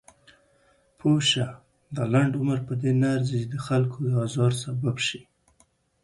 پوهه شه! دا لنډ عمر پدې نه ارزي چې دخلکو د ازار سبب شئ.